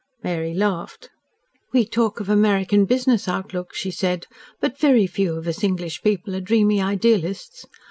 Mary laughed. "We talk of American business outlook," she said, "but very few of us English people are dreamy idealists.